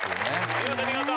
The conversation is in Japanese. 見事、見事！